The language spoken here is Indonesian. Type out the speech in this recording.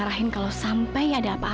jangan kohet lo